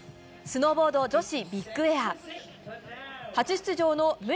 スノーボード女子ビッグエア。